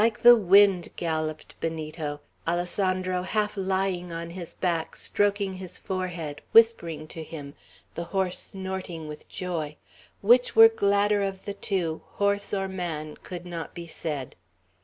Like the wind galloped Benito, Alessandro half lying on his back, stroking his forehead, whispering to him, the horse snorting with joy: which were gladder of the two, horse or man, could not be said.